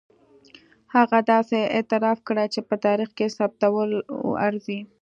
هغه داسې اعتراف کړی چې په تاریخ کې ثبتېدلو ارزي.